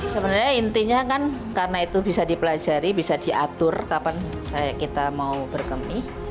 sebenarnya intinya kan karena itu bisa dipelajari bisa diatur kapan kita mau berkemih